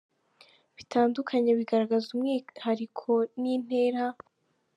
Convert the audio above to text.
bitandukanye bigaragaza umwihariko n’intera.